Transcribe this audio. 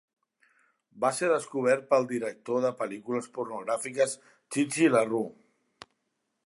Va ser descobert pel director de pel·lícules pornogràfiques Chi Chi LaRue.